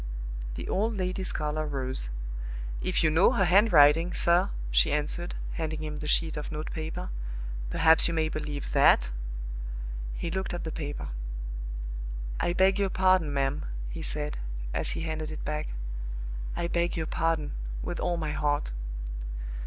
The old lady's color rose. "If you know her handwriting, sir," she answered, handing him the sheet of note paper, "perhaps you may believe that?" He looked at the paper. "I beg your pardon, ma'am," he said, as he handed it back "I beg your pardon, with all my heart."